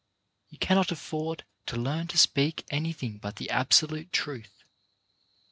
You cannot afford to learn to speak anything but the absolute truth.